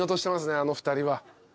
あの２人は。